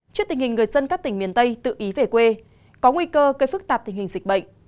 trước tình hình người dân các tỉnh miền tây tự ý về quê có nguy cơ gây phức tạp tình hình dịch bệnh